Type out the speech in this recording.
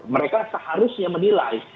mereka seharusnya menilai